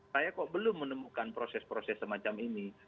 saya kok belum menemukan proses proses semacam ini